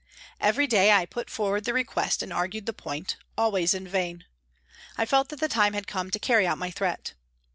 Every day I put forward the request and argued the point, always in vain. I felt that the time had come to carry out my threat.